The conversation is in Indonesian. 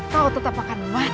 kau tetap akan mati